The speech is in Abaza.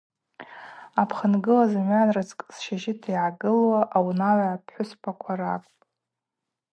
Апхынгла зымгӏва рацкӏыс щажьыта йгӏагыллауа, аунагӏва пхӏвысква ракӏвпӏ.